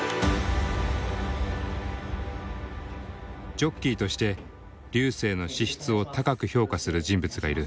ジョッキーとして瑠星の資質を高く評価する人物がいる。